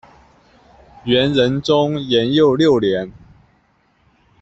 元仁宗延佑六年。